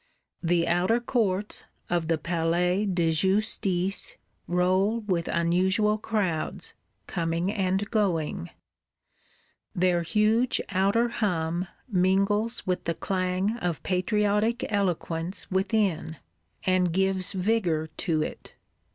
The outer courts of the Palais de Justice roll with unusual crowds, coming and going; their huge outer hum mingles with the clang of patriotic eloquence within, and gives vigour to it.